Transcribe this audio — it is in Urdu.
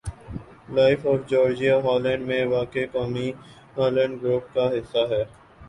لائف آف جارجیا ہالینڈ میں واقع قومی ہالینڈ گروپ کا حصّہ ہے